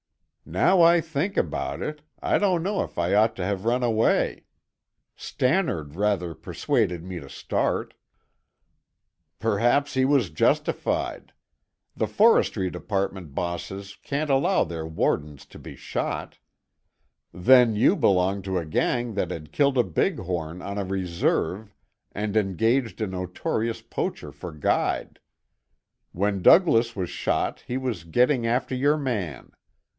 "Now I think about it, I don't know if I ought to have run away. Stannard rather persuaded me to start." "Perhaps he was justified. The forestry department bosses can't allow their wardens to be shot. Then you belong to a gang that had killed big horn on a reserve and engaged a notorious poacher for guide. When Douglas was shot he was getting after your man.